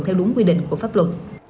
theo đúng quy định của pháp luật